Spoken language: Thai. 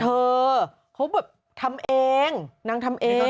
เธอเขาแบบทำเองนางทำเอง